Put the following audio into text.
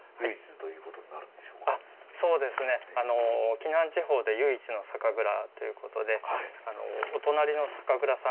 紀南地方で唯一の酒蔵ということでお隣の酒蔵さんがですね